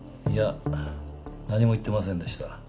いや何も言ってませんでした。